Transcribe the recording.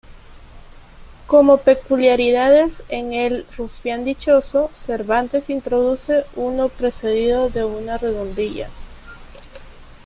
Como peculiaridades, en el "Rufián dichoso", Cervantes introduce uno precedido de una redondilla.